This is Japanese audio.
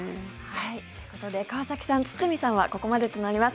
ということで川崎さん、堤さんはここまでとなります。